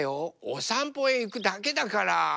おさんぽへいくだけだから。